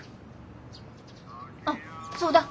あっそうだ。